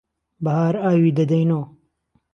بههار ئاوی دهدهینۆ